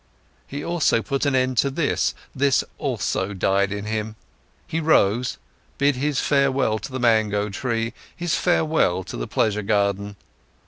He also put an end to this, this also died in him. He rose, bid his farewell to the mango tree, his farewell to the pleasure garden.